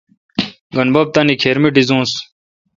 گین بب تانی کھیر می ڈیزوس۔